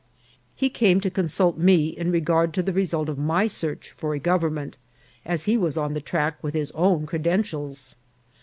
He came to consult me in regard to the result ol NEW DANGERS IN PROSPECT. 131 my search for a government, as he was on the track with his own credentials.